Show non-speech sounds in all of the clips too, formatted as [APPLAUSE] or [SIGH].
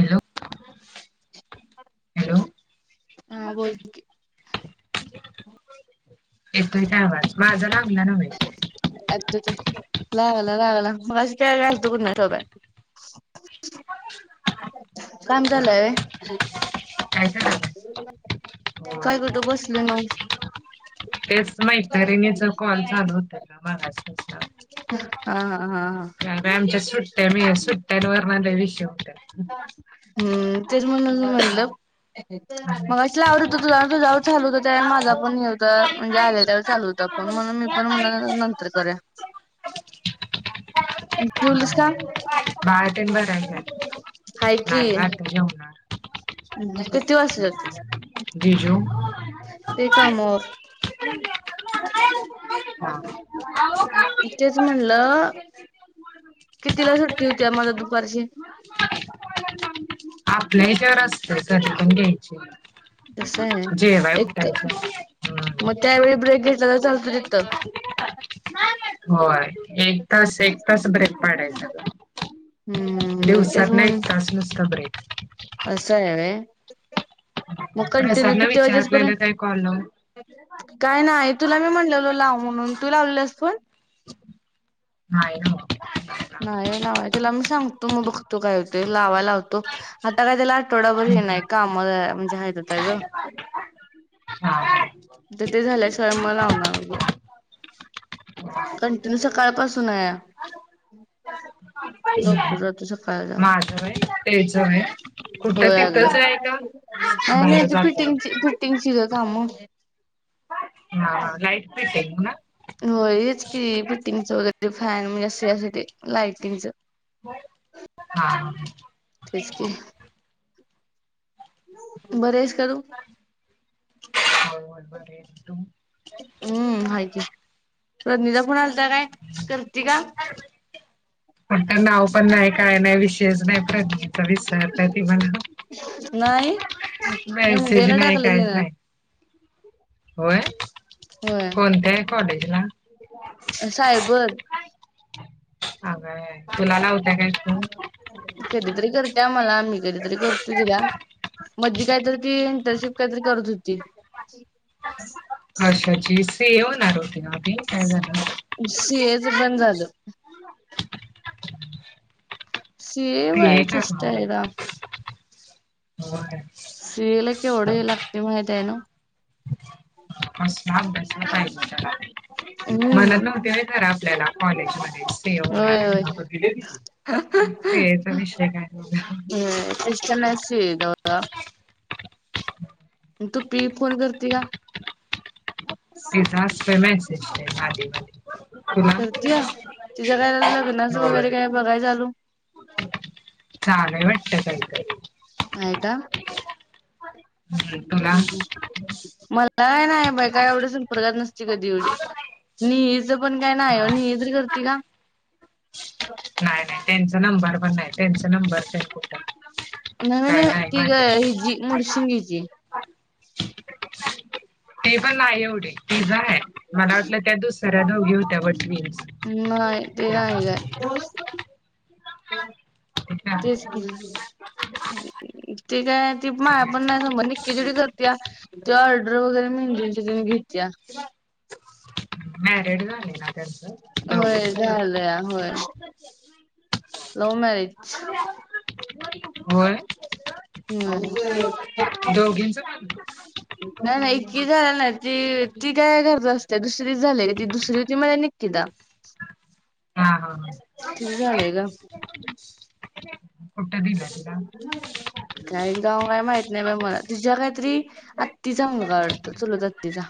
Hello hello हां बोलं की आवांज माझां लागंला नव्हे आं ते लागंला लागंला मगं अं कायं कायं असतो गुन्हां ठोब्या कामं झालंय कायं चं कायं कोठो बसलं मगं तेचं मैत्रिणीचां कॉल चालूं होतां कां मलां हां हां हां हां आमच्या सुट्ट्यांचा मी सुट्ट्यांचे वरणांरा विषय होतं हम्मं ते म्हं म्हटलं मगं अं आवडतं हो त ते चालतं हो त्यां माझां पणं हे होतं म्हणजे आलेल्या चालूं होतं पणं मणं मी पणं म्हणे नंतर करे [UNINTELLIGIBLE] हो ज्युंलस कां बार तेन बरं झालं नाहीं बां आंता जेवणांर द्वितीवासं जो जी जो ते कामावर तेच म्हनल, कितीला सुट्टी होत्या माग दुपारची? आपल्या ह्याच्यावर असतं, कधी पण घ्यायची. तस आहे जेवाय एक, उठायचं. मग त्यावेेळी ब्रेक घेतला तर चालतो तिथं. होय, एक तास, एक तास, ब्रेक पाडायचा. हम्म तेच दिवसांतन एक म्हणून तास नुसता ब्रेक असं आहे होय, मग कंटिन्यू प्रसादला किती वाजेस विचारलेलं पर्यंत काय कॉल लावून काय नाही तुला मी म्हणलेलो लाव म्हणून, तू लावल्यास फोन? नाही नव नाही लावाय तिला मी सांगतो मग बघतो काय होतंय, लावायला लावतो. आता काय त्याला आठवडा बर ये नाहीय, काम म्हणजे हाईत आता गं. [INAUDIBLE] तर ते झाल्या शिवाय मग लावणार होतो. कंटिन्यू सकाळपासून आहे. ह [UNINTELLIGIBLE] लवकर जातो सकाळ ला, माझं व्हय तेच व्हय कुठं होय तिथंच अगं. आहे का? नाही नाही बाहेर ती, जातोय. फिटिंगची -फिटिंगची ग काम हा लाईट फिटिंग ना [INAUDIBLE] होय हेच कि, फिटिंगच हो फॅन म्हणजे असे असत ते लाइटिंग च हा [INAUDIBLE] तेच की, बरी आहेस का तू? होय [INAUDIBLE] हम्म हाय की, प्रदनी चा फोन आलता काय, करती का? आता नाव पण नाही, काय नाही, विशयच नाही प्रदनीचा विसरल्या ती मला. नाही. एम बी ए मॅसेज ला नाही टाकलय काहीच तिनं. नाही. होय, होय कोणत्या आहे कॉलेजला? सायबर अगं तुला लावत्या काय तू कधीतरी करत्या मला, मी कधीतरी करतोय तिला. मधी काहीतरी ती इंटरशिप काहीतरी करत होती. अर्षा जी सी ए होणार होती ना ती काय झालं [INAUDIBLE] सी ए च बंद झालं. सी ए व्हायचं [UNINTELLIGIBLE] होय [INAUDIBLE] सी ए ला केवढं हे लागतंय माहित आहे नवं? मला हम्म. नवती माहीत [INAUDIBLE] आपल्याला कॉलेज मध्ये [INAUDIBLE] सी ए होय होय. होणार सी ए च विषय काय नव्हता [INAUDIBLE] होय सी ए चेष्टा चा होता [UNINTELLIGIBLE] तूपी फोन करती का? तिचा असतोय मॅसेज आधी - [INAUDIBLE] करत्यात, तिच्या काय लग्नाचं वगैरे होय काय बघायच चालू? चालू आहे वाटतं काहीतरी आहे का? [UNINTELLIGIBLE] हम्म मला नाही बाई काय एवढी संपर्कात नसती कधी एवढी. निहीच पण काय हा नाही, निहीतरी करती का? नाही नाही. तेनचा नंबर पण नाही तेनचं नंबर तरी कुठाय. नव्हे नव्हे ती गं हिजी मुडशिंगीची. ते पण नाही एवढे तिझा आहे मला वाटलं त्या दुसऱ्या दोघी होत्या बघ ट्विन्स. हम् नाही ते त्या नाही काय. त्या तेच की, ते काय ती माया पण नाही जमत निक्की तेवडी जात्या ती ऑर्डर वगैरे मेहंदींची तेन घेत्या. मॅरिड झालंय ना? त्यांच? होय झालंया होय. सत्याची माय. Love marriage. होय? हम्म. दोघींच पण? नाही नाही एक्की झालेल नाही ती ती काय घरातच असत्या दुसरीच झालं ग ती दुसरी होती माय निक्कीता. हा हा तिचं झालंय ग हा. दिला तिला, काय गाव आहे माहित नाही बाई मला तीझ्या काहीतरी आत्तीचा मुलगा आहे वाटतं चुलत आत्तीचा.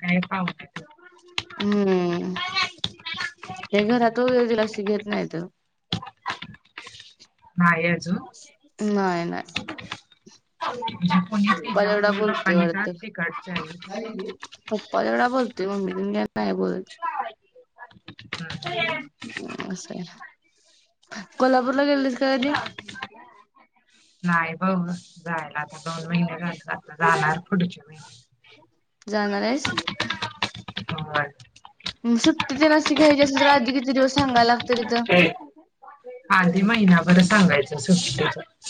काय पावण्यातच, हम्म. काय घरात वगैरे तीला अशी घेत नाहीतं. नाही अजून, नाही नाही. [UNINTELLIGIBLE] पप्पा तेवढा मम्मी बोलतोय पप्पांनी का वाटतं. तिकडच्या आहे. पप्पा तेवढा बोलतोय मम्मी तेन काय नाही बोलत. असंय, कोल्हापूरला गेलेलीस काय कधी? नाही बघु जायला आता दोन महिने झालं आता जाणार पुढच्या महिन्यात. जाणार आहेस? होय. म सुट्टी तेन अशी घ्यायची असली तर आधी किती दिवस सांगायला तिथं [UNINTELLIGIBLE] आधी महिनाभर सांगायच सुट्टीच,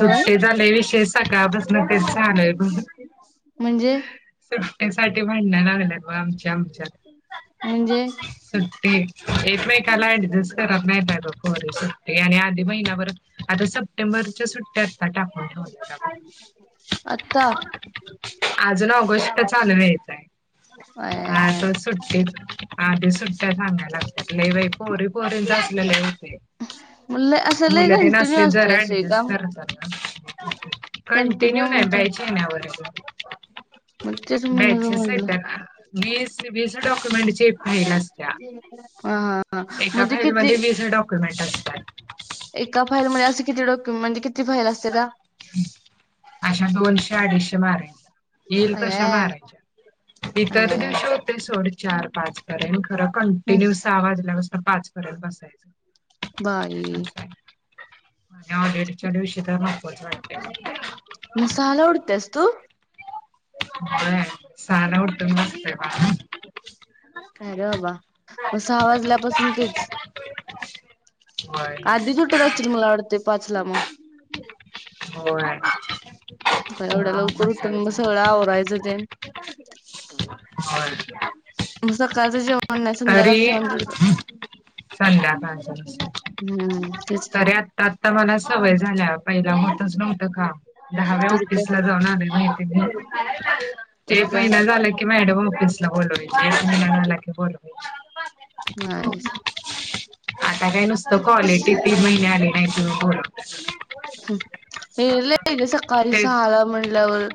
होय लय विषय सकाळपासनं तेच चालु आहे बग. म्हणजे? त्यासाठी भांडण लागल्यात बग आमच्या आमच्यात. म्हणजे सुट्टी एकमेकाला ऍडजस्ट करत नाही अगं पोरी सुट्टी आणि आधी महिनाभर आता सप्टेंबरच्या सुट्टया आत्ता टाकून ठेवल्यात अगं. आत्ता. अजून ऑगस्ट चालू व्हायचा, अ हा आता सुट्टीत. आधी सुट्टया सांगाय लागत्यात लय बाई पोरी पोरींच असल लय हुतयं. मग लय असं लय मुलं तेन कंटिन्यू असली असतंय जरा असं हे ऍडजस्ट काम करतात ना. कंटिन्यू नाही मग तेच [INAUDIBLE] म्हणून बॅचेस म्हटलं आहेत का वीस सी बी सी डॉक्युमेंट ची फाईल, हा हा हा म्हनजे किती? हे डॉक्युमेंट. असतात एका फाईलमध्ये असं किती डॉक्युमेंट म्हणजे किती फाईल असत्यात ना. अशा दोनशे अडीचशे मारायच्या. येईल तशा अय्या मारायच्या, अय्या इतर दिवशी होतील सोड चार पाच पर्यंत. खर हम्म कंटिन्यु सहा वाजल्यापासन पाच पर्यंत बसायचं. बाई असं आहे. [UNINTELLIGIBLE] दिवशी काय महत्त्वाचं वाटतंय काय [INAUDIBLE] मग सहाला ऊठत्यास तू व्हय सहाला उठून बसतय बाळ. काय रे बाबा! मग सहा वाजल्यापासून तेच होय आधीच उठत असशील मला वाटतंय पाचला मग. होय. एवढ्या सहा लवकर उठुन मग बसायचं सगळं आवरायचं तेन. होय. म सकाळचं जेवण नाही संध्याकाळचं तरी जेवण केलत. संध्याकाळच. हम्म तेच की तरी आत्ता आत्ता मला सवय झाल्या पहिला होतच नव्हतं काम. दहाव्या तरी काय ऑफिसला जाऊन आले माहिती तरी एक काय महिना झाला [INAUDIBLE] मॅडम ऑफिस ला बोोलवायची मला क बोलवायची [INAUDIBLE] [INAUDIBLE] आता हे नुसतं क्वालिटी तीन महिने आलीत [UNINTELLIGIBLE] हम्म हे लय सकाळी स तेच आला म्हणल्यावर.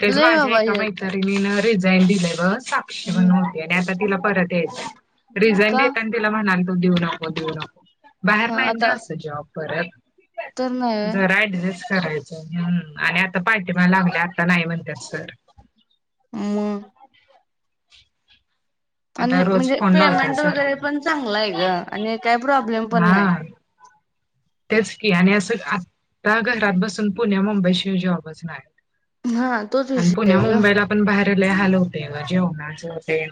तेच लय माझ्या बाबा एका हे मैत्रिणी रिझाईन दिले बघ. हम्म [UNINTELLIGIBLE] आणि तिला परत यायचं, रिजाइन का? दिलं तला म्हणाल तो देऊ नको देऊ नको हा बाहेर आता [UNINTELLIGIBLE] असं जॉबवर. तर नाही व्हय जरा ऍडजस्ट करायचं आणि आ- आता पाठिमाग लागल्या आता नाही म्हणतात सर. मग आणि आता रोज म्हणजे फोन लावतात पेमेंट वगैरे सरांना पण चांगला आहे ग आणि काही प्रॉब्लेम पण नाही. हा तेच की आणि असं आता घरात बसून पुण्या मुंबई शिवाय जॉबाच नाय. हा तोच आणि विषय पुण्या आहे ग मुंबईला, पण बाहेरला हाल होतय ग जेवणाच तेन.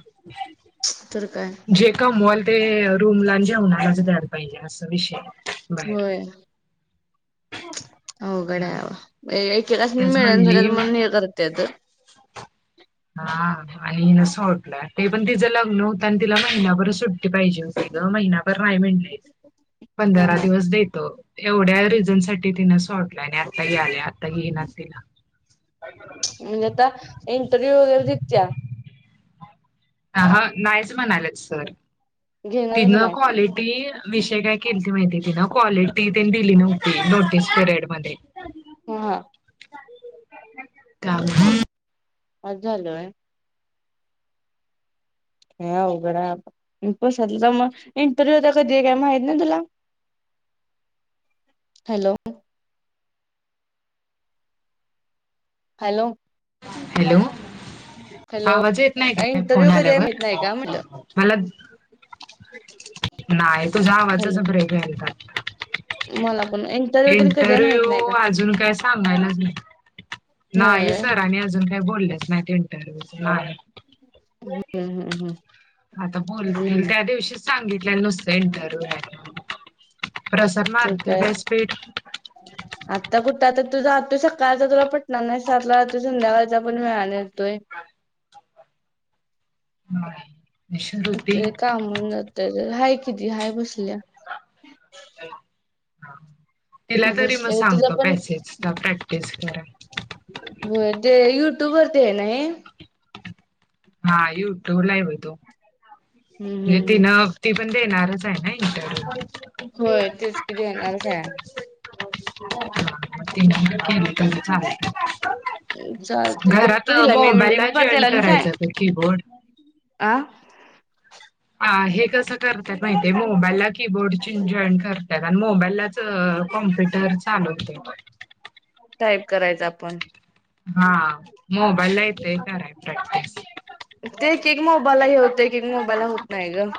तर काय. जे कमवाल ते रूमला आणि जेवणालाच द्यायला पाहिजे अस विषय बाहेर. होय अवघड हाय त्यामुळे बाबा. त्यासनि तेच मिळेन झाल्यात म्हणली म्हणून हे करत्यात. हा हा आणि न सोडला. ते पण तिचं लग्न होतं. आणि तिला महिनाभर सुट्टी पाहिजे होती ग. महिना नाही म्हंटलीत. हा पंधरा हा दिवस देतो. एवढ्या रिझन साठी तिन सोडल्या आणि आता याल्या आता घेईनात तिला. आणि आता इंटरव्ह्यू वगैरे दित्या. थांब ह. नाहीच म्हणाल्यात सर घेणारच तिनं नाही क्वालिटी विषय काय केलती माहित आहे का तीन. क्वालिटी त्यांनी दिली नव्हती. नोटीस पिरियड मध्ये. हा. काय माहित. अस झालं होय. काय अवघड आहे आबा. प्रसाद ला तर मग इंटरव्ह्यू कधी काय माहीत नाही तुला? [INAUDIBLE] हॅलो. हॅलो. हॅलो. हॅलो आवाज येत नाही काय. फोन इंटरव्ह्यू कधी आहे आल्यावर माहित नाही का म्हटलं मला नाही तुझा आवाजच हॅलो ब्रेक घ्यायलता. मला पण इंटरव्ह्यू तेन कधी आहे माहित इंटरव्ह्यू नाही का अजून काय सांगायलाच नाहीत. नाही. सरांनी अजून काही बोललेच नाही इंटरव्ह्यूच नाही. हम्म हम्म हम्म आता बोलतील. हम्म त्या दिवशीच सांगितलल्यात नुसत इंटरव्ह्यू आहे म्हणून प्रसाद ठीक मारतोय आहे. काय स्पीड. आत्ता कुठं आता तो जातोय सकाळचा. तुला पटणार नाही सातला जातोय. संध्याकाळचा पण वेळान येतोय. नवरा. ते कामाला जातोय ग. हाय कि ती हाय बसल्या. तिला तरी मग बसल्या तिला सांगतो. पण पॅसेज चा प्रॅक्टिस करा. होय. ते युट्यूब वरती आहे ना ही. हा. युट्युब लाईव्ह आहे तो. हम्म ते हम्म हम्म. तिन ती पण देणारच आहे नाही इंटरव्ह्यू. होय. तेच कि देणारच आहे. हा तेनि पण केलीतर चालतय. चालतंय घरात बघतो तिला मी म्हणजे मी मोबाईलला जॉईन त्याला आणि सांग करायचं ते कीबोर्ड. आ. हां हे कसं करतात माहितीय. मोबाईलला कीबोर्ड चीन जॉईन करतात. आणि मोबाईललाच त कॉम्प्युटर चालू होते बघ. टाईप करायचं आपण. हां मोबाईलला येतय कराय प्रॅक्टिस. ते एकेक मोबाईलला हे होते. एकेक मोबाईलला होत नाही ग.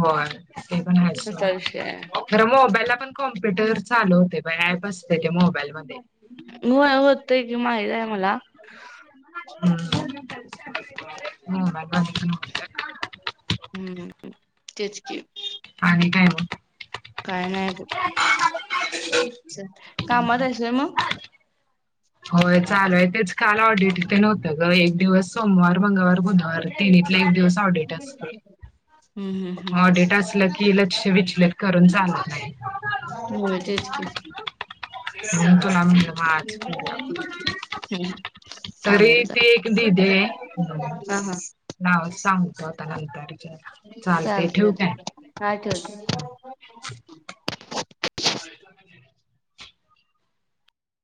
होय. ते पण हायच असा सोड. विषय आहे. खरं मोबाईलला पण कॉम्प्युटर चालू होते बघ ते अँप असते मोबाईल मध्ये. वा होतय कि माहित आहे मला. हम् हम् मोबाईल मध्ये पण होत्यात. हम्म. तेच की. आणि काय मग. काय नाही बघ. [UNINTELLIGIBLE] च कामात असल्यामुळ. होय चालू आहे तेच काल ऑडिट तेन होतं ग एक दिवस सोमवार, मंगळवार, बुधवार तिनीतले एक दिवस. ऑडिट असतय. हम्म हम्म ऑडिट असलं की लक्ष विचलित करून चालत नाही. होय तेच की. म्हणून तुला म्हणलं वाच. हम् तरी ती एक दिध आहे. हां हां लावून सांगतो आता नंतरच्या हेलो चालतय ठेवू काय. काय करते.